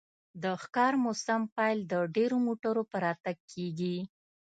د ښکار موسم پیل د ډیرو موټرو په راتګ کیږي